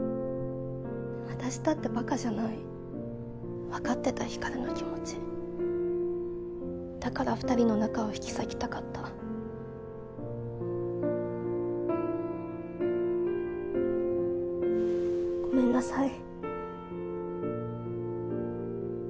私だってバカじゃない分かってた光琉の気持ちだから２人の仲を引き裂きたかったごめんなさい